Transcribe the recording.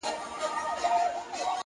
زده کړه د عمر له پولې خلاصه ده!.